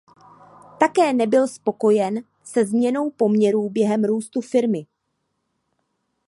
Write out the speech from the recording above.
Také nebyl spokojen se změnou poměrů během růstu firmy.